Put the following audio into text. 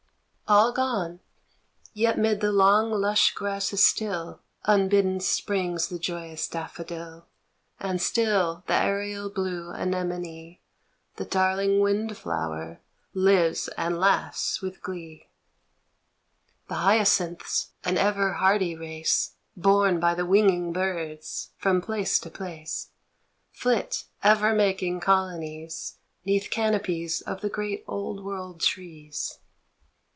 All gone, yet 'mid the long lush grasses still Unbidden springs the joyous daffodil, A HOME 45 And still the aerial blue anemone The darling wind flower lives and laughs with glee. The hyacinths, an ever hardy race, Borne by the winging birds from place to place, Flit, ever making colonies 'Neath canopies of the great old world trees.